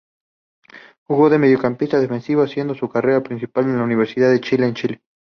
Jugó de mediocampista defensivo haciendo su carrera principal en Universidad de Chile en Chile.